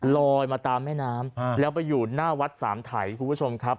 ลอยมาตามแม่น้ำแล้วไปอยู่หน้าวัดสามไถคุณผู้ชมครับ